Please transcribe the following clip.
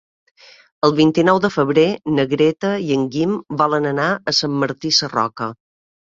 El vint-i-nou de febrer na Greta i en Guim volen anar a Sant Martí Sarroca.